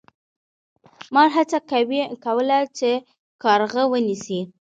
مار هڅه کوله چې کارغه ونیسي.